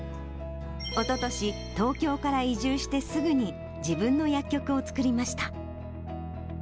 おととし、東京から移住してすぐに、自分の薬局を作りました。